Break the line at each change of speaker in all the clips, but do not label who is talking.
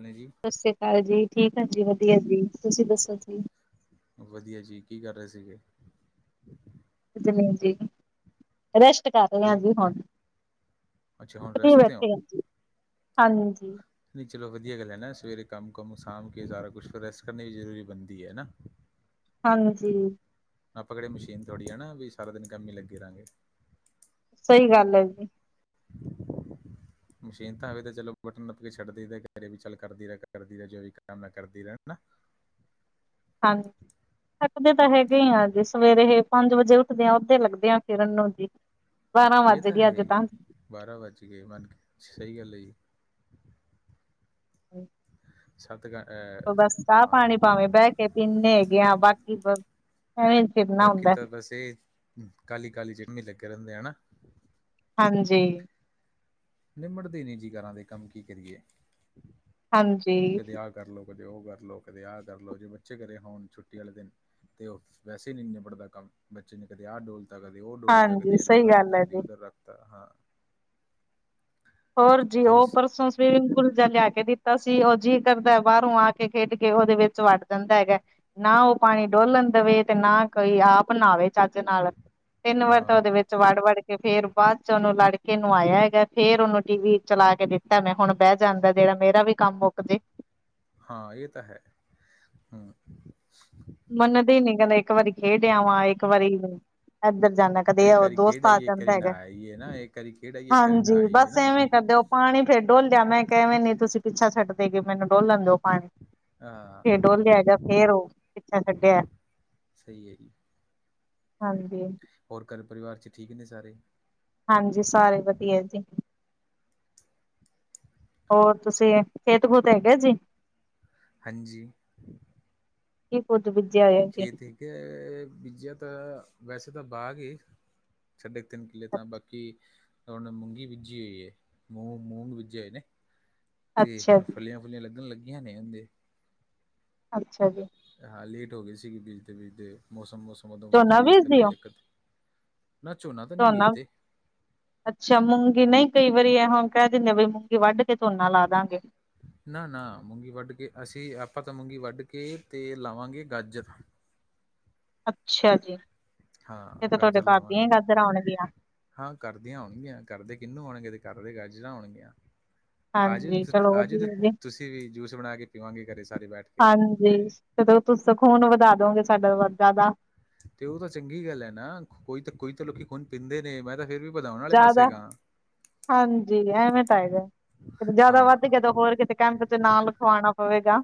Hello ਜੀ
ਸਤਿ ਸ੍ਰੀ ਅਕਾਲ ਜੀ ਠੀਕ ਹਾਂ ਜੀ ਵਧੀਆ ਜੀ ਤੁਸੀਂ ਦੱਸੋ ਜੀ
ਵਧੀਆ ਜੀ ਕੀ ਕਰ ਰਹੇ ਸੀਗੇ?
ਜਮੀਲ ਜੀ ਰੈਸਟ ਕਰ ਰਹੀਂ ਹਾਂ
ਫਰੀ
ਜੀ ਹੁਣ।
ਅੱਛਾ ਹੁਣ
ਵਧੀਆ
ਰੈਸਟ ਤੇ ਹੋ
ਬੈਠੀ ਆਂ ਜੀ ਹਾਂਜੀ
ਨਹੀਂ ਚਲੋ ਵਧੀਆ ਗੱਲ ਹੈ ਨਾ ਸਵੇਰੇ ਕੰਮ ਕੁੰਮ ਸਾਂਭ ਕੇ ਸਾਰਾ ਕੁਛ ਫੇਰ ਰੈਸਟ ਕਰਨੀ ਵੀ ਜ਼ਰੂਰੀ ਬਣਦੀ ਹੈ ਨਾ। [unintelligible]
ਹਾਂਜੀ
ਆਪਾਂ ਕਿਹੜੇ ਮਸ਼ੀਨ ਥੋੜ੍ਹੀ ਹੈ ਨਾ ਵੀ ਸਾਰਾ ਦਿਨ ਕੰਮ ਹੀ ਲੱਗੇ ਰਾਂਗੇ।
ਸਹੀ ਗੱਲ ਹੈ ਜੀ।
[unintelligible] ਮਸ਼ੀਨ ਤਾਂ ਹਵੇ ਤਾਂ ਚਲੋ ਬਟਨ ਨੱਪ ਕੇ ਛੱਡਦੀ ਦ ਘਰੇ ਵੀ ਚੱਲ ਕਰਦੀ ਰੈ ਕਰਦੀ ਰੈਹ ਜੋ ਵੀ ਕੰਮ ਕਰਦੀ ਰੈਹ
ਹਾਂਜੀ ਹੱਕ ਦੇ ਤਾਂ ਹੈਗੇ ਆਂ ਜੀ ਸਵੇਰੇ ਪੰਜ ਵਜੇ ਉੱਠਦੇ ਆ। ਉਦੋਂ ਲੱਗਦੇ ਆ ਫਿਰਨ ਨੂੰ ਜੀ। ਬਾਰਾਂ
ਇਹ
ਵੱਜ
ਤਾਂ
ਗਏ ਅੱਜ
ਹੈਈ ਬਾਰਾਂ ਵੱਜ ਗਏ ਮੰਨ ਕੇ ਸਹੀ ਗੱਲ ਹੈ ਜੀ।
[unintelligible]
ਸੱਤ ਗ ਐ।
ਬੱਸ ਚਾਅ ਪਾਣੀ ਪਾਵੇਂ ਬਹਿ ਕੇ ਪੀਨੇ ਹੈਗੇ ਆ ਬਾਕੀ ਐਵੇ
ਬਾਕੀ ਤਾਂ ਬੱਸ ਇਹ ਕਾਲੀ ਕਾਲੀ ਜਿਮੀ ਲੱਗੇ ਰਹਿੰਦੇ ਆ ਨਾ
ਹਾਂਜੀ
ਨਿੰਮੜ ਦੇ ਨੀ ਜੀ ਘਰਾਂ ਦੇ ਕੰਮ ਕੀ ਕਰੀਏ?
ਹਾਂਜੀ
ਕਦੇ ਆਹ ਕਰ ਲਓ ਕਦੇ ਉਹ ਕਰ ਲਓ ਕਦੇ ਆਹ ਕਰ ਲਓ ਜੇ ਬੱਚੇ ਘਰੇ ਹੋਣ ਛੁੱਟੀ ਵਾਲੇ ਦਿਨ। ਤੇ ਉਹ ਵੈਸੇ ਨਹੀਂ ਨਿਬੜਦਾ ਕੰਮ ਬੱਚੇ ਨੇ ਕਦੇ ਆਹ ਡੋਲਦੇ ਕਦੇ ਉਹ ਡੋਲਦਾ
ਹਾਂਜੀ
ਕਦੇ ਇੱਧਰ
ਸਹੀ ਗੱਲ
ਰੱਖਤਾ
ਹੈ ਜੀ
ਕਦੇ ਉੱਧਰ ਰੱਖਤਾ ਹਾਂ
ਹੋਰ ਜੀ ਉਹ
ਹੋਸ
ਪਰਸੋਂ ਸਵੀਮਿੰਗ ਪੂਲ ਜਾ ਲਿਆ ਕੇ ਦਿੱਤਾ ਸੀ ਉਹ ਜੀਅ ਕਰਦਾ ਬਾਹਰੋਂ ਆ ਕੇ ਇਹ ਖੇਡ ਕੇ ਉਹਦੇ ਵਿੱਚ ਵੱਡ ਜਾਂਦਾ ਹੈਗਾ। ਨਾ ਉਹ ਪਾਣੀ ਡੋਲਣ ਦੇਵੇ ਤੇ ਨਾ ਕੋਈ ਆਪ ਨਾਵੇ ਚੱਜ ਨਾਲ ਤਿੰਨ ਵਾਰ ਤਾਂ
ਹਾਂ
ਉਹਦੇ ਵਿੱਚ ਵਿੱਚ ਵੜ ਵੜ ਕੇ ਫ਼ੇਰ ਬਾਅਦ ਚ ਉਹਨੂੰ ਲੜਕੇ ਨਵਾ ਆਇਆ ਹੈਗਾ ਫ਼ੇਰ ਉਹਨੂੰ ਟੀ ਵੀ, ਚਲਾ ਕੇ ਦਿੱਤਾ ਮੈਂ ਹੁਣ ਬਹਿ ਜਾਂਦਾ ਜਿਹੜਾ ਮੇਰਾ ਵੀ ਕੰਮ ਮੁੱਕ ਜੇ,
ਹਾਂ ਇਹ ਤਾਂ ਹੈ ਹੂ-'
ਮੰਨਦੇ ਹੀ ਨੀ ਕਹਿੰਦੇ ਇੱਕ ਵਾਰੀ ਖੇਡ ਆਵਾਂ ਇੱਕ ਵਾਰੀ ਏਧਰ ਜਾਂਦਾ ਕਦੇ
ਇੱਕ ਵਾਰੀ ਖੇਡ
ਦੋਸਤ ਆ
ਆਈਏ ਇੱਕ
ਜਾਂਦਾ
ਵਾਰੀ ਨਾ
ਹੈਗਾ
ਆਈਏ ਨਾ ਇੱਕ ਵਾਰੀ ਖੇਡ ਆਈਏ ਇੱਕ ਵਾਰੀ ਨਾ
ਹਾਂਜੀ
ਆਈਏ
ਬੱਸ
ਨਾ
ਇਵੇਂ ਕਰਦੇ ਓ ਪਾਣੀ ਫੇਰ ਡੋਲ ਜਾਣਾ ਮੈਂ ਕਿ ਐਵੇਂ ਨੀ ਤੁਸੀਂ ਪਿੱਛਾ ਛੱਡਦੇ ਹੈਗੇ ਮੈਨੂੰ ਡੋਲਣ ਦਿਓ ਪਾਣੀ
ਹਾਂ
ਫੇ ਡੋਲ ਲਿਆ ਜਾ ਫੇਰ ਉਹ ੱਛਾ ਛੱਢਿਆ
ਸਹੀ ਹੈ ਜੀ
ਹਾਂਜੀ
ਹੋਰ ਘਰ ਪਰਿਵਾਰ 'ਚ ਠੀਕ ਨੇ ਸਾਰੇ
ਹਾਂਜੀ ਸਾਰੇ ਵਧੀਆ ਜੀ ਹੋਰ ਤੁਸੀਂ ਖੇਤ ਖੂਤ ਹੈਗੇ ਜੀ
ਹਾਂਜੀ
ਕੀ ਕੁਜ। ਬਿਜਿਆ ਹੋਇਆ ਏਥੇ
ਏ ਬੀਜਿਆ ਤਾਂ ਵੈਸੇ ਤਾਂ ਬਾਗ ਏ ਛੱਡੇ ਤਿੰਨ ਕਿੱਲੇ ਤਾਂ ਬਾਕੀ ਹੁਣ ਮੂੰਗੀ ਬੀਜੀ ਹੋਈ ਹੈ ਮੂੰ ਮੂੰਗ ਬੀਜੇ ਹੋਏ ਨੇ ਤੇ
ਅੱਛਾ
ਹੁਣ
ਜੀ,
ਫਲਿਆਂ ਫਲੀਆਂ ਲੱਗਣ ਲੱਗੀਆਂ ਨੇ ਹਜੇ
ਅੱਛਾ ਜੀ,
ਹਾਂ ਲੇਟ ਹੋ ਗਈ ਸੀਗੀ ਬੀਜਦੇ ਬੀਜਦੇ ਮੌਸਮ, ਮੌਸਮ ਉਦੋਂ
ਝੋਨਾ
ਥੋੜ੍ਹੀ ਇਕਤ
ਬੀਜਦੇ ਹੋ?
ਇਕਤ ਨਾ ਝੋਨਾ ਤਾਂ ਨਹੀਂ ਬੀਜਦੇ
ਅੱਛਾ ਮੂੰਗੀ ਨਹੀਂ ਕਈ ਵਾਰੀ ਇਹੋ ਕਹਿ ਦਿੰਦੇ ਬਈ ਮੂੰਗੀ ਵੱਢ ਕੇ ਝੋਨਾ ਲਾ ਦਾਂਗੇ
ਨਾ ਨਾ ਮੂੰਗੀ ਵੱਢ ਕੇ ਅਸੀਂ ਆਪਾਂ ਤਾਂ ਮੂੰਗੀ ਵੱਢ ਕੇ ਤੇਲ ਲਾਵਾਂਗੇ ਗਾਜਰ
ਅੱਛਾ ਜੀ ਫਿਰ
ਹਾਂ
ਤਾਂ ਤੁਹਾਡੇ
ਗਾਜਰ
ਘਰ ਦੀਆਂ
ਲਾਵਾਂਗੇ
ਗਜਰਾ ਆਉਣਗੀਆਂ
ਹਾਂ ਘਰਦੀਆਂ ਹੋਣਗੀਆਂ ਘਰਦੇ ਕਿਹਨੂੰ ਆਣਗੇ ਤੇ ਘਰਦੇ ਗਾਜਰਾਂ ਹੋਣਗੀਆਂ ਆਜੂ
ਹਾਂਜੀ ਚਲੋ
ਆਜੂ
ਵਧੀਆ ਜੀ,
ਤੁਸੀਂ ਵੀ ਜੂਸ ਬਣਾ ਕੇ ਪੀਵਾਂਗੇ ਘਰੇ ਸਾਰੇ ਬੈਠ ਕੇ
ਜੀ ਤੁਸੀਂ ਤਾਂ ਖੂਨ ਵਧਾ ਦੋਗੇ ਸਾਡਾ ਵਰਜ਼ ਦਾ
ਤੇ ਉਹ ਤਾਂ ਚੰਗੀ ਗੱਲ ਹੈ ਨਾ ਕੋਈ ਕੋਈ ਤਾਂ ਲੋਕੀ ਖੁਨ ਪੀਂਦੇ ਨੇ ਮੈਂ ਤਾਂ ਫਿਰ ਵੀ ਵਧਾਉਣ ਵਾਲੇ ਪਾਸੇ
ਜ਼ਿਆਦਾ
ਗਾ
ਹਾਂਜੀ ਐਵੇਂ ਤਾਂ ਹੈਗਾ ਜਿਆਦਾ ਵੱਧ
ਹਾਂ
ਗਿਆ ਹੋਰ ਕਿਤੇ ਕੈਂਪ ਚ ਨਾਮ ਲਿਖਵਾਉਣਾ ਪਵੇਗਾ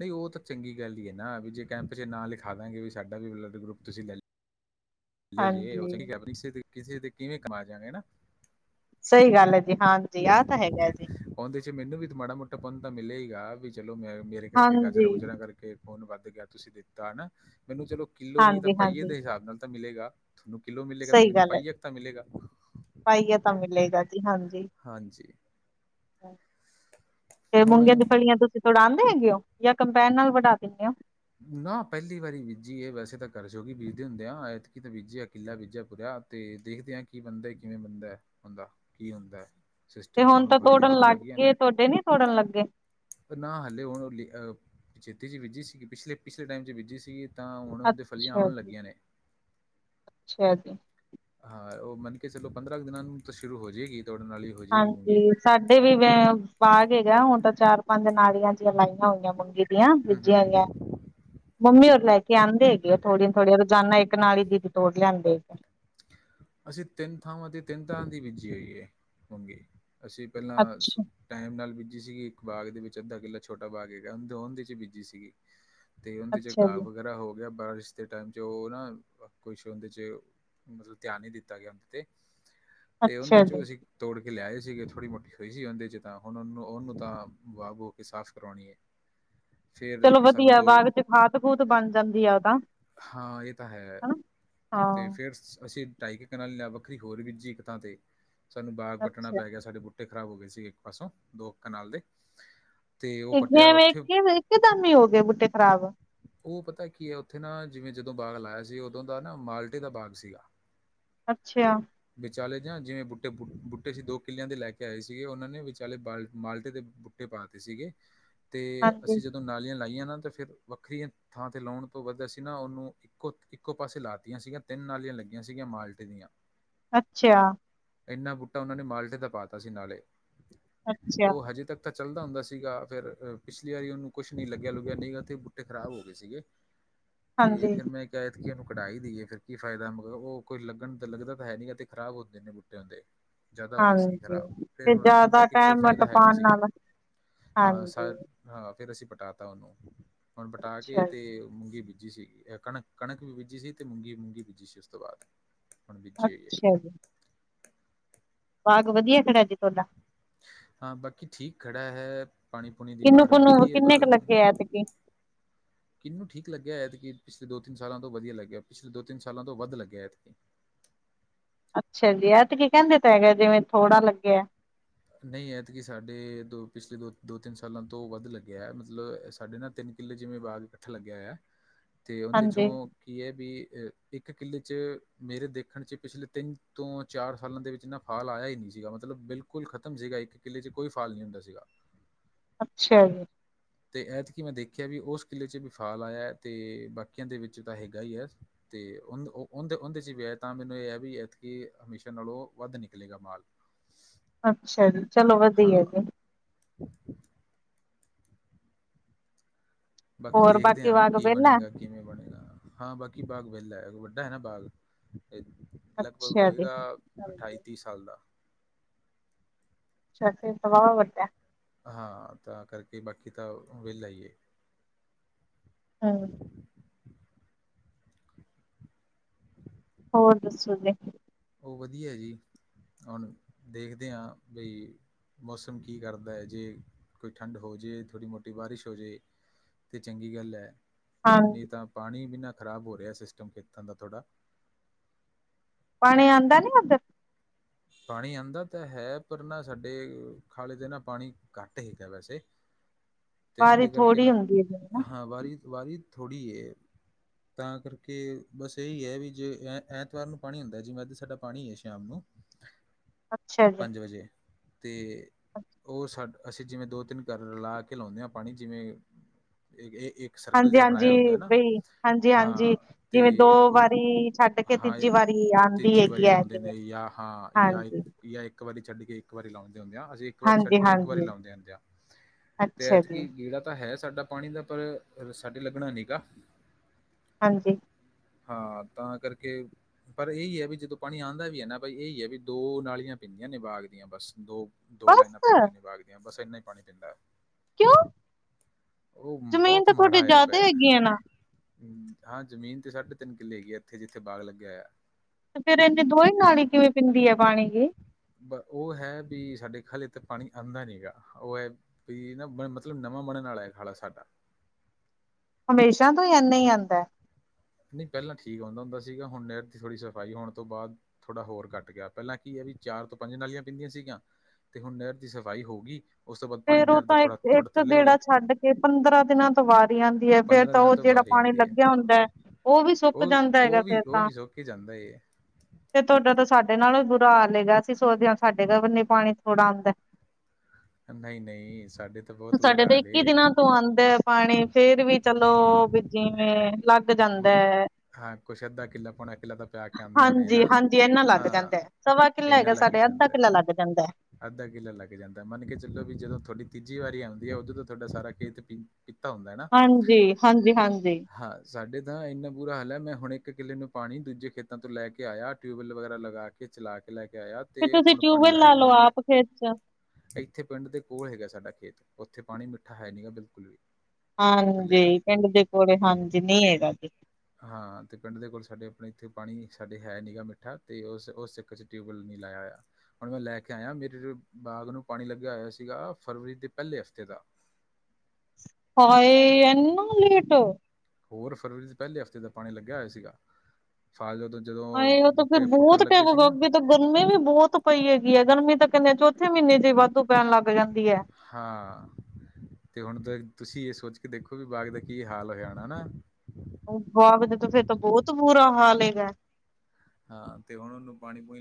ਨਹੀਂ ਉਹ ਤਾਂ ਚੰਗੀ ਗੱਲ ਹੀ ਹੈ ਨਾ ਵੀ ਜੇ ਕੈਂਪ ਚ ਨਾ ਲਿਖਾ ਦਾਂਗੇ ਵੀ ਸਾਡਾ ਵੀ ਬਲੱਡ ਗਰੁੱਪ ਤੁਸੀਂ ਲੈ ਇਓ ਜੇ ਹੋ
ਹਾਂਜੀ,
ਸਕੇ ਕਿਸੇ ਤੇ ਕਿਵੇਂ ਕਮਾ ਜਾ ਰਹੇ
ਸਹੀ ਗੱਲ ਹੈ ਜੀ ਹਾਂ ਜੀ ਆਹ ਤਾਂ ਹੈਗਾ ਜੀ
ਉਹਦੇ 'ਚ ਮੈਨੂੰ ਵੀ ਮਾੜਾ ਮੋਟਾ ਪੁੰਨ ਤਾਂ ਮਿਲੇ ਗਾ ਵੀ ਚਲੋ ਮੈਂ ਮੇਰੇ ਕਰਕੇ ਗਾਜਰਾਂ
ਹਾਂਜੀ।
ਗੁਜਰਾਂ ਕਰਕੇ- ਕੇ ਫੋਨ ਵਰਤ ਗਿਆ ਤੁਸੀਂ ਦਿੱਤਾ ਨਾ ਮੈਨੂੰ ਚਲੋ ਕਿਲੋ ਨੀ ਤਾਂ ਪਾਈਏ
ਹਾਂਜੀ-ਹਾਂਜੀ,
ਦੇ ਹਿਸਾਬ ਨਾਲ ਤਾਂ ਮਿਲੇਗਾ ਤੁਹਾਨੂੰ ਕਿਲੋ ਮਿਲੇਗਾ ਤਾਂ
ਸਹੀ
ਮੈਨੂੰ
ਗੱਲ ਹੈ
ਪਾਈਏ ਇੱਕ ਤਾਂ ਮਿਲੇਗਾ
ਪਾਈਆ ਤਾਂ ਮਿਲੇਗਾ ਜੀ ਹਾਂਜੀ
ਹਾਂਜੀ
ਤੇ ਮੂੰਗੀਆਂ ਦੀ
ਹੁਣ
ਫਲੀਆਂ ਤੋਂ ਉੜਾਂਦੇ ਹੈਗੇ ਹੋ ਜਾਂ ਕੰਪੈਨ ਨਾਲ ਵਢਾ ਦਿੰਦੇ ਹੋ
ਨਾ ਪੇਲੀ ਵਾਰੀ ਬੀਜੀ ਏ ਵੈਸੇ ਤਾਂ ਕਰਜ ਹੋਗੀ ਬੀਜਦੇ ਹੁੰਦੇ ਆ ਐਤਕੀ ਤਾਂ ਬੀਜੀ ਕਿੱਲਾ ਬਿਜਿਆ ਪੂਰਾ ਤੇ ਦੇਖਦੇ ਆ ਕੀ ਬੰਦਾ ਕਿਵੇਂ ਬੰਦਾ ਬੰਦਾ ਕੀ ਹੁੰਦਾ
ਤੇ
ਸਿਸਟਮ
ਹੁਣ ਤਾਂ
ਫਲੀਆਂ
ਤੋੜਨ
ਆਉਣ
ਲੱਗ
ਲੱਗੀਆਂ
ਗੇ
ਨੇ
ਤੁਹਾਡੇ ਨੀ ਤੋੜਨ ਲੱਗੇ
ਪਰ ਨਾ ਹਾਲੇ ਹੁਣ ਉਹ ਛੇਤੀ 'ਚ ਬੀਜੀ ਸੀਗੀ ਪਿਛਲੇ ਪਿਛਲੇ ਟਾਈਮ 'ਚ ਬੀਜੀ ਸੀਗੀ ਤਾਂ ਹੁਣ ਹੁੰਦੇ ਫਲੀਆਂ
ਅੱਛਾ
ਆਉਣ
ਜੀ,
ਲੱਗੀਆਂ ਨੇ
ਅੱਛਾ ਜੀ।
ਹਾਂ ਉਹ ਮੰਨ ਕੇ ਚਲੋ ਪੰਦਰਾਂ ਕੁ ਦਿਨਾਂ ਨੂੰ ਤਾਂ ਸ਼ੁਰੂ ਹੋ ਜਾਏਗੀ ਦੋੜਨ ਵਾਲੀ ਹੋ ਜਾਏਗੀ ਮੂੰਗੀ
ਹਾਂਜੀ ਸਾਡੇ ਵੀ ਬਾਗ ਹੈਗਾ ਹੁਣ ਤਾਂ ਚਾਰ ਪੰਜ ਨਾਲੀਆਂ ਚ ਲਾਈਆਂ ਹੋਈਆਂ ਮੁੜ ਕੇ
ਹੂੰ
ਬੀਜੀਆਂ
ਹੂੰ
ਹੋਈਆਂ ਮੰਮੀ ਹੋਰ ਲੈ ਕੇ ਆਂਦੇ ਹੈਗੇ ਆ ਥੋੜੀਆਂ ਥੋੜੀਆਂ ਰੋਜ਼ਾਨਾ ਇੱਕ ਨਾਲ ਹੀ ਦੀਪ ਤੋੜ ਲਿਆਂਦੇ
ਅਸੀਂ ਤਿੰਨ ਥਾਵਾਂ ਤੇ ਤਿੰਨ ਥਾਰਾਂ ਦੀ ਬੀਜੀ ਹੋਈ ਹੈ ਮੰੰਗੀ ਅਸੀਂ ਪਹਿਲਾਂ
ਅੱਛਾ,
ਸ਼ੁਭ ਟਾਈਮ ਨਾਲ ਬੀਜੀ ਸੀਗੀ ਇੱਕ ਬਾਗ ਦੇ ਵਿੱਚ ਅੱਧਾ ਕਿੱਲਾ ਛੋਟਾ ਬਾਗ ਹੈਗਾ ਉਹਦੇ ਚ ਬੀਜੀ ਸੀਗੀ ਤੇ ਉਹਦੇ ਚ
ਅੱਛਾ
ਘਾਹ
ਜੀ,
ਵਗੈਰਾ ਹੋ ਗਿਆ ਬਾਰਿਸ਼ ਦੇ ਟਾਈਮ ਉਹ ਨਾ ਕੁਛ ਉਹਦੇ ਚ ਮਤਲਬ ਧਿਆਨ ਨੀ ਦਿੱਤਾ ਗਿਆ ਉਦੇ ਤੇ ਉਨੇ
ਅੱਛਾ ਜੀ।
ਚੋਂ ਅਸੀਂ ਤੋੜ ਕੇ ਲਿਆਏ ਸੀਗੇ ਥੋੜੀ ਮੋਟੀ ਹੋਈ ਸੀ ਉਹਦੇ ਚ ਤਾਂ ਹੁਣ ਉਹਨੂੰ ਉਹਨੂੰ ਤਾਂ ਵਾਹ ਬ ਹੋ ਕੇ ਸਾਫ਼ ਕਰਾਣੀ ਏ [inaudible]
ਚਲੋ ਵਧੀਆ ਬਾਗ ਵਚ ਖਾਤ ਖੂਤ ਬਣ ਜਾਂਦੀ ਆ ਉਹ ਤਾ
ਹਾਂ ਏ ਤਾਂ ਹੈ ਤੇ
ਹਾਂ।
ਫਿਰ ਅਸੀਂ ਢਾਈਕ ਕ ਵੱਖਰੀ ਹੋਰ ਵੀਜੀ ਇੱਕ ਥਾਂ ਸਾਨੂੰ ਬਾਗ ਪੱਟਣਾ
ਅੱਛਾ
ਪੈ ਗਿਆ ਸਾਡੇ ਬੂਟੇ ਖ਼ਰਾਬ ਹੋ ਗਏ ਸੀਗੇ ਇੱਕ ਪਾਸੋਂ ਦੋ ਕਨਾਲ ਦੇ ਤੇ ਉਹ ਪੱਟਿਆ
ਜਵੇਂ
ਉੱਥੇ
ਇੱਕ ਦਮ ਹੀ ਹੋ ਗਏ ਬੂਟੇ ਖ਼ਰਾਬ
ਉਹ ਪਤਾ ਕੀ ਏ ਉੱਥੇ ਨਾ ਜਿਵੇਂ ਜਦੋਂ ਬਾਗ ਲਾਆ ਸੀ ਉਦੋਂ ਦਾ ਨਾ ਮਾਲਟੇ ਦਾ ਬਾਗ ਸੀਗਾ [inaudible]
ਅੱਛਾ।
ਵਿਚਾਲੇ ਜਾਂ ਜਿਵੇਂ ਬੂਟੇ ਬ ਬੂਟੇ ਸੀ ਦੋ ਕਿੱਲਿਆਂ ਦੇ ਲੈ ਕੇ ਆਏ ਸੀਗੇ ਉਨਾਂ ਨੇ ਵਿਚਾਲੇ ਬਾਲ ਮਾਲਟੇ ਦੇ ਬ ਪਾ ਤੇ ਸੀਗੇ ਤੇ
ਹਾਂਜੀ
ਅਸੀਂ ਜਦੋਂ ਨਾਲੀਆਂ ਲਾਈਆਂ ਨਾ ਤੇ ਫਿਰ ਵੱਖਰੀਆਂ ਥਾਂ ਤੇ ਲਾਉਣ ਤੋਂ ਵੱਧ ਅਸੀਂ ਨਾ ਉਨੂੰ ਇੱਕੋ ਪਾਸੇ ਲਾਤੀਆਂ ਸੀਗਾ ਤਿੰਨ ਨਾਲੀਆਂ ਲੱਗੀਆਂ ਸੀਗੀਆਂ ਮਾਲਟੇ ਦੀਆਂ
ਅੱਛਾ।
ਇੰਨਾ ਬੂਟਾ ਉਨਾਂ ਨੇ ਮਾਲਟੇ ਦਾ ਪਾ ਤਾ ਸੀ ਨਾਲੇ,
ਅੱਛਾ
ਉ ਹਜੇ ਤੱਕ ਤ ਚੱਲਦਾ ਹੁੰਦਾ ਸੀਗਾ, ਫੇਰ ਪਿਛਲੀ ਵਾਰੀ ਉਨੂੰ ਕੁੱਛ ਨੀ ਲੱਗਿਆ ਲੁਗਿਆ ਨਈ ਤੇ ਖ਼ਰਾਬ ਹੋ ਗਏ ਸੀਗੇ ਤੇ
ਹਾਂਜੀ।
ਫੇਰ ਮੈਂ ਕੇ ਐਤਕੀ ਏਹਨੂੰ ਕਢਾ ਈ ਦੀਏ ਫਿਰ ਕੀ ਫਾਇਦਾ? ਮਗ ਉਹ ਕੋਈ ਲੱਗਣ ਤਾ ਲੱਗਦਾ ਤਾਂ ਹੈ ਨੀ ਤੇ ਖਰਾਬ ਹੁੰਦੇ ਨੇ ਬੂਟੇਆਂ ਦੇ। ਜਾਦਾ ਹੋ ਗੇ ਸੀ
ਹਾਂਜੀ
ਖ਼ਰਾਬ, ਫਿਰ
ਤੇ
ਇਹਨੂੰ ਰੱਖਣ ਦਾ
ਜ਼ਿਆਦਾ
ਕਿ ਕੋਈ
ਟਾਈਮ
ਫਾਇਦਾ ਹੈ ਨਹੀਂ
ਟਪਾਉਣ
ਸੀਗਾ
ਨਾਲ
ਹਾਂ
ਹਾਂਜੀ
ਹਾਂ ਫਿਰ ਅਸੀਂ ਪਟਾ ਤਾ ਉਨੂੰ, ਹੁਣ ਪਟਾ ਕੇ
ਅੱਛਾ
ਤੇ
ਜੀ।
ਮੂੰਗੀ ਬੀਜੀ ਸੀ ਕਣਕ ਕਣਕ ਵੀ ਬੀਜੀ ਸੀ ਤੇ ਮੂੰਗੀ ਮੂੰਗੀ ਬੀਜੀ ਸੀ ਉਸ ਤੋਂ ਬਾਦ ਹੁਣ ਬੀਜੀ ਹੋਈਏ
ਅੱਛਾ ਜੀ ਬਾਗ ਵਧੀਆ ਖੜਾ ਜੀ ਥੋਡਾ?
ਹਾਂ ਬਾਕੀ ਠੀਕ ਖੜਾ ਹੈ, ਪਾਣੀ ਪੂਣੀ ਦੀ
ਕਿੰਨੂੰ
ਮਾਰ
ਕੁਨੂੰ
ਪੈਂਦੀ ਏ
ਕਿੰਨੇ
ਬਾਗ਼ ਨੂੰ।
[inaudible]
ਕਿਨੂੰ ਠੀਕ ਲੱਗਿਆ ਏਦ ਕਿ ਪਿਛਲੇ ਦੋ ਤਿੰਨ ਸਾਲ ਤੋਂ ਵਧੀਆ ਲੱਗਿਆ ਪਿਛ ਦੋ ਤਿੰਨ ਸਾਲ ਤੋਂ ਵੱਧ ਲਗੇਆ ਆਥੇ
ਅੱਛਾ ਜੀ ਏਦ ਕੀ ਕਹੰਦੇ ਤਾਂ ਹੈਗਾ ਜਿਵੇਂ ਥੋੜਾ ਲੱਗਿਆ।
ਨਈ ਐਦਕੀ ਸਾਡੇ ਦੋ ਪਿਛਲੇ ਦੋ ਦੋ ਤਿੰਨ ਸਾਲਾਂ ਤੋਂ ਵੱਧ ਲੱਗਿਆ ਮਤਲਬ ਸਾਡੇ ਨਾ ਤਿੰਨ ਕਿੱਲ ਜਿਵੇਂ ਬਾਗ [unintelligible] ਲੱਗਿਆ ਹੋ ਤੇ ਓਂਦੇ
ਹਾਂਜੀ
ਚੋਂ ਕੀ ਐ ਵੀ ਅਹ ਇੱਕ ਕਿੱਲੇ ਚ ਮੇਰੇ ਦੇਖਣ ਚ ਪਿਛਲੇ ਤਿੰਨ ਤੋਂ ਚਾਰ ਸਾਲਾਂ ਦੇ ਵਿੱਚ ਇਨਾ ਫਾਲ ਆਇਆ ਈ ਨੀ ਸੀਗਾ ਮਤਲਬ ਬਿਲਕੁੱਲ ਖ਼ਤਮ ਸੀਗਾ ਇੱਕ ਕਿਲ੍ਹੇ ਚ ਕੋਈ ਫਾਲ ਨੀ ਹੁੰਦਾ ਸੀਗਾ।
ਅਛੇਆ ਜੀ।
ਤੇ ਐਤਕੀ ਮੈਂ ਦੇਖਿਆ ਵੀ ਓਸ ਕਿਲੇ ਚ ਵੀ ਫਾਲ ਆਇਐ ਤੇ ਬਾਕੀਆਂ ਦੇ ਵਿੱਚ ਤਾਂ ਹੈਗਾ ਈ ਆ। ਤੇ ਓਨਦ ਓ ਔਨ ਔਂਦੇ ਚ ਵੀਆ ਤਾਂ ਮੈਨੂੰ ਏ ਐ ਵੀ ਐਤਕੀ ਹਮੇਸ਼ਾ ਨਾਲੋਂ ਵੱਧ ਨਿਕਲੇਗਾ ਮਾਲ। [unintelligible]
ਅੱਛਾ ਜੀ, ਚਲੋ
ਹਾਂ,
ਵਧੀਐ ਜੀ।
[unintelligible] ਬਾਕੀ
ਹੋਰ
ਦੇਖਦੇ ਆਂ
ਬਾਗ
ਕੀ
ਵਿਹਲਾ
ਬਣੇਗਾ ਕੀ ਕਿਵੇਂ ਬਣੇਗਾ, ਹਾਂ ਬਾਕੀ ਬਾਗ ਵੇਲੈ, ਵੱਡਾ ਐ ਨਾ ਬਾਗ। ਲਗਭਗ
ਅੱਛਾ ਜੀ।
ਹੋਏਗਾ
ਹਾਂਜੀ।
ਅਠਾਈ ਤੀਹ ਸਾਲ ਦਾ।
ਅੱਛਾ ਫੇ ਤਾਂ ਵਾਵਾ ਵੱਡਾ ਐ।
ਹਾਂ ਤਾਂ ਕਰਕੇ ਬਾਕੀ ਤਾਂ ਵੇਲਾ ਈ ਏ।
ਹਾਂ ਹੋਰ ਦੱਸੋ ਜੇ।
ਓ ਵਧੀਆ ਜੀ, ਹੁਣ ਦੇਖਦੇ ਹਾਂ ਬਈ ਮੌਸਮ ਕੀ ਕਰਦਾ ਏ ਜੇ ਕੋਈ ਠੰਡ ਹੋਜੇ ਥੋੜ੍ਹੀ ਮੋਟੀ ਬਾਰਿਸ਼ ਹੋਜੇ ਤੇ ਚੰਗੀ ਗੱਲ ਏ ਨੀ
ਹਾਂਜੀ
ਤਾਂ ਪਾਣੀ ਬਿਨਾਂ ਖ਼ਰਾਬ ਹੋ ਰਿਆ ਸਿਸਟਮ ਖੇਤਾਂ ਦਾ ਥੋੜ੍ਹਾ
ਪਾਣੀ ਆਂਦਾ ਨੀ ਉੱਧਰ?
ਪਾਣੀ ਆਂਦਾ ਤਾਂ ਹੈ, ਪਰ ਨਾ ਸਾਡੇ ਖਾਲੇ ਦੇ ਨਾ ਪਾਣੀ ਘੱਟ ਹੇਗਾ ਵੈਸੇ ਤੇ
ਬਾਰੀ
ਓਂਦੇ ਕਰਕੇ
ਥੋੜ੍ਹੀ
ਨਾ,
ਹੁੰਦੀ ਹੈ ਜਿਵੇਂ ਨਾ।
ਹਾਂ, ਵਾਰੀ ਵਾਰੀ ਥੋੜ੍ਹੀ ਏ। ਤਾਂ ਕਰਕੇ ਬਸ ਏ ਈ ਐ ਵੀ ਜੇ ਐ ਐਤਵਾਰ ਨੂੰ ਪਾਣੀ ਹੁੰਦਾ ਜਿਵੇਂ ਅਧ ਸਾਡਾ ਪਾਣੀ ਐ ਸ਼ਾਮ ਨੂੰ
ਅੱਛਾ ਜੀ
ਪੰਜ ਵਜੇ। ਤੇ ਓ ਸਾ ਅਸੀਂ ਜਿਵੇਂ ਦੋ ਤਿੰਨ ਘਰ ਰਲਾ ਕੇ ਲੌਨੇ ਆ ਪਾਣੀ ਜਿਵੇਂ ਏ ਏ ਇੱਕ ਸਰਕਲ
ਹਾਂਜੀ
ਜਾ
ਹਾਂਜੀ
ਬਣਾਇਆ ਹੁੰਦਾ ਹਨਾ
ਬਈ ਹਾਂਜੀ ਹਾਂਜੀ।
ਹਾਂ ਤੇ
ਜਿਵੇਂ ਦੋ
ਓ
ਵਾਰੀ ਛੱਡ ਕੇ
ਹਾਂ
ਤੀਜੀ
ਏ
ਵਾਰੀ ਆਉਂਦੀ
ਤੀਜੀ ਵਾਰੀ
ਹੈਗੀ ਹੈ
ਲੋਂਦੇ
ਜਿਵੇਂ
ਨੇ ਯਾ ਹਾਂ ਯਾਂ
ਹਾਂਜੀ।
ਯਾ ਇੱਕ ਵਾਰੀ ਛੱਡ ਕੇ ਇੱਕ ਵਾਰੀ ਲੌਂਦੇ ਹੁੰਦੇ ਆ ਅਸੀਂ ਇੱਕ ਵਾਰੀ ਛੱਡ
ਹਾਂਜੀ
ਕੇ ਇੱਕ ਵਾਰੀ
ਹਾਂਜੀ
ਲਾਉਂਦੇ ਹੁੰਦੇ ਆ ਤੇ
ਅੱਛਾ ਜੀ
ਐਤਕੀ ਗੇੜਾ ਤਾਂ ਹੈ ਸਾਡਾ ਪਾਣੀ ਦਾ ਪਰ ਸਾਡੇ ਲੱਗਣਾ ਨੀ ਗਾ।
ਹਾਂਜੀ।
ਹਾਂ ਤਾਂ ਕਰਕੇ ਪਰ ਏਈ ਐ ਵੀ ਜਦੋਂ ਪਾਣੀ ਆਂਦਾ ਵੀ ਐ ਨਾ ਬਈ ਏ ਈ ਐ ਵੀ ਦੋ ਨਾਲੀਆਂ ਪੈਂਦੀਆਂ ਨੇ ਬਾਗ ਦੀਆਂ ਬਸ ਦੋ-ਦੋ
ਬਸ
ਲਾਈਨਾਂ ਪੀਂਦੀਆਂ ਨੇ ਬਾਗ ਦੀਆਂ ਬਸ। ਏਨਾ ਹੀ ਪਾਣੀ ਪੈਂਦੈ।
ਕਿਉਂ
ਓ
ਜ਼ਮੀਨ
ਬਹੁਤ
ਤਾਂ
ਮਾੜਾ
ਤੁਹਾਡੇ
ਆਇਆ
ਜ਼ਿਆਦਾ
ਪਿਐ।
ਹੈਗੀ ਹੈ ਨਾ।
ਹਾਂ ਜ਼ਮੀਨ ਤੇ ਸਾਢੇ-ਤਿੰਨ ਕਿੱਲੇ ਹੈਗੀ ਆ ਇੱਥੇ ਜਿੱਥੇ ਬਾਗ ਲੱਗਿਆ ਹੋਇਐ।
ਤੇ ਫੇਰ ਏਨੇ ਦੋਏ ਨਾਲ ਈ ਕਿਵੇਂ ਪੀਂਦੀ ਐ ਪਾਣੀ ਦੀ?
ਓ ਹੈ ਵੀ ਸਾਡੇ ਖੱਲੇ ਤੇ ਪਾਣੀ ਆਂਦਾ ਨੀ ਗਾ ਓ ਐ ਵੀ ਨਾ ਮਤਲਬ ਨਵਾਂ ਬਣਨ ਆਲਾ ਐ ਖਾਲਾ ਸਾਡਾ।
ਹਮੇਸ਼ਾ ਤੋਂ ਹੀ ਐਨਾ ਈ ਆਂਦੈ।
ਨਈ ਪਹਿਲਾਂ ਠੀਕ ਆਂਦਾ ਹੁੰਦਾ ਸੀਗਾ ਹੁਣ ਨੈਰ ਦੀ ਥੋੜ੍ਹੀ ਸਫਾਈ ਹੋਣ ਤੋਂ ਬਾਦ ਥੋੜਾ ਹੋਰ ਘੱਟ ਗਿਆ ਪਹਿਲਾਂ ਕੀ ਹ ਵੀ ਚਾਰ ਤੋਂ ਪੰਜ ਨਾਲੀਆਂ ਪੀਂਦੀਆਂ ਸੀਗੀਆਂ। ਤੇ ਹੁਣ ਨਹਿਰ ਦੀ ਸਫ਼ਾਈ ਹੋਗੀ।
ਫੇਰ ਓ ਤਾਂ ਇੱਕ-ਇੱਕ ਗੇੜਾ ਛੱਡ ਕੇ ਪੰਦਰਾਂ ਦਿਨਾਂ ਤੋਂ ਵਾਰੀ ਆਂਦੀ ਐ ਫੇਰ
ਪੰਦਰਾਂ
ਤਾਂ
ਦਿਨਾਂ
ਓ
ਤੋਂ
ਜੇੜਾ
ਵਾਰੀ
ਪਾਣੀ
ਆਂਦੀ ਹੈ
ਲੱਗਿਆ ਹੁੰਦੈ ਓ ਵੀ ਸੁੱਕ
ਉਹ
ਜਾਂਦਾ ਹੈਗਾ
ਉਹ
ਫੇਰ
ਵੀ ਉਹ
ਤਾਂ
ਵੀ ਸੋਕ ਕੇ ਜਾਂਦਾ ਏ
ਤੇ ਤੁਹਾਡਾ ਤਾਂ ਸਾਡੇ ਨਾਲੋ ਵੀ ਬੁਰਾ ਹਾਲ ਹੈਗਾ ਅਸੀਂ ਸੋਚਦੇ ਆਂ ਸਾਡੇੰ ਨ ਪਾਣੀ ਥੋੜਾ ਆਂਦੈ।
ਨਈ-ਨਈ ਸਾਡੇ ਤਾਂ ਬਹੁਤ
ਸਾਡੇ
ਬੁਰਾ
ਤੇ
ਹਾਲ
ਇੱਕੀ
ਏ
ਦਿਨਾਂ ਤੋਂ ਆਂਦੈ ਪਾਣੀ ਫੇਰ ਵੀ ਚਲੋ ਵੀ ਜਿਵੇਂ ਲੱਗ
ਮ
ਜਾਂਦਾ ਏ।
ਹਾਂ ਕੁੱਛ ਅੱਧਾ ਕਿੱਲਾ ਪੋਣਾ ਕਿੱਲਾ ਤਾਂ ਪਿਆ ਕੇ ਆਂਦੇ ਹੋਣੇ
ਹਾਂਜੀ
ਨਾ
ਹਾਂਜੀ ਇੰਨਾ ਲੱਗ
ਹਾਂ।
ਜਾਂਦਾ ਐ ਸਵਾ ਕਿੱਲਾ
ਇੰਨਾ
ਹੈਗਾ
ਲੱਗ
ਸਾਡੇ ਅੱਧਾ
ਜਾਂਦੇ।
ਕਿੱਲਾ ਲੱਗ ਜਾਂਦਾ ਐ
ਅੱਧਾ ਕਿਲਾ ਲੱਗ ਜਾਂਦਾ ਮੰਨ ਕੇ ਚਲੋ ਵੀ ਜਦੋਂ ਤੁਹਾਡੀ ਤੀਜੀ ਵਾਰੀ ਆਉਂਦੀ ਉਦੋਂ ਤੋਂ ਤੁਹਾਡਾ ਸਾਰਾ ਖੇਤ ਪੀ। ਕੀਤਾ ਹੁੰਦਾ ਹੈ ਨਾ
ਹਾਂਜੀ ਹਾਂਜੀ ਹਾਂਜੀ
ਹਾਂ। ਸਾਡੇ ਤਾਂ ਇੰਨਾ ਬੁਰਾ ਹਾਲ ਹੈ ਮੈਂ ਹੁਣ ਇੱਕ ਕਿੱਲੇ ਨੂੰ ਪਾਣੀ ਦੂਜੇ ਖੇਤਾਂ ਤੋਂ ਲੈ ਕੇ ਆਇਆ ਟਿਊਬਵੈੱਲ ਵਗੈਰਾ ਲਗਾ ਕੇ। ਕੇ ਚਲਾ ਕੇ ਲੈ ਕੇ ਆਇਆ
ਫਿਰ
ਤੇ
ਤੁਸੀਂ
ਹੁਣ ਪਾਣੀ
ਟਿਊਬਵੈਲ ਲਾ
ਲਾਇਆ ਮੈ
ਲਓ
ਓਨੂੰ।
ਆਪ ਖੇਤ ਚ
ਇੱਥੇ ਪਿੰਡ ਦੇ ਕੋਲ ਹੈਗਾ ਸਾਡਾ ਖੇਤ ਉੱਥੇ ਪਾਣੀ ਮਿੱਠਾ ਹੈ ਨਹੀਂ ਗਾ ਬਿਲਕੁਲ ਵੀ। ਥੱਲੇ ਦਾ
ਹਾਂਜੀ, ਪਿੰਡ ਦੇ ਕੋਲ ਹਾਂਜੀ ਨਹੀਂ ਹੈਗਾ ਜੀ।
ਹਾਂ ਅਤੇ ਪਿੰਡ ਦੇ ਕੋਲ ਸਾਡੇ ਆਪਣੇ ਇੱਥੇ ਪਾਣੀ ਸਾਡੇ ਹੈ ਨਹੀਂ ਗਾ ਮਿੱਠਾ ਅਤੇ ਉਸ ਉਸ ਸਿੱਕ 'ਚ ਟਿਊਬਵੈਲ ਨਹੀਂ ਲਾਇਆ ਹੋਇਆ। ਹੁਣ ਮੈਂ ਲੈ ਕੇ ਆਇਆ ਮੇਰੇ ਬਾਗ ਨੂੰ ਪਾਣੀ ਲੱਗਿਆ ਹੋਇਆ ਸੀਗਾ ਫਰਵਰੀ ਦੇ ਪਹਿਲੇ ਹਫ਼ਤੇ ਦਾ।
ਹਏ ਐਨਾ ਲੇਟ
ਹੋਰ ਫਰਵਰੀ ਦੇ ਪਹਿਲੇ ਹਫ਼ਤੇ ਦਾ ਪਾਣੀ ਲੱਗਿਆ ਹੋਇਆ ਸੀਗਾ। ਫਾਲਜੂ ਤੋਂ ਜਦੋਂ
ਹਾਏ ਉਹ ਤਾਂ ਫਿਰ
ਬੂਟੇ ਫੁੱਟਣ
ਬਹੁਤ
ਲੱਗੇ
ਟਾਈਮ ਹੋ
ਸੀ
ਗਿਆ
ਨਾ।
ਅੱਗੇ ਗਰਮੀ ਵੀ ਬਹੁਤ ਪਈ ਹੈਗੀ ਹੈ ਗਰਮੀ ਤਾਂ ਕਹਨਦੇ ਚੌਥੇ ਮਹੀਨੇ ਚ ਹੀ ਵਾਧੂ ਪੈਣ ਲੱਗ ਜਾਂਦੀ ਹੈ।
ਹਾਂ ਤੇ ਹੁਣ ਤੁਸੀਂ ਇਹ ਸੋਚ ਕੇ ਦੇਖੋ ਵੀ ਬਾਗ ਦਾ ਕੀ ਹਾਲ ਹੋਆਣਾ ਹਨਾ।
ਬਾਗ ਦੇ ਤੇ ਫੇਰ ਤਾਂ ਬਹੁਤ ਬੁਰਾ ਹਾਲ ਹੈਗਾ।
ਹਾਂ, ਤੇ ਉਹਣ ਨੂੰ ਪਾਣੀ ਪਈ।